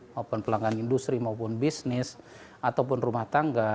maupun pelanggan industri maupun bisnis ataupun rumah tangga